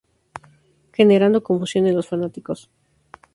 Generando confusión en los fanáticos.